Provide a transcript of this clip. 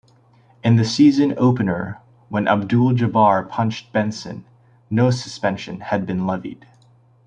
In the season opener, when Abdul-Jabbar punched Benson, no suspension had been levied.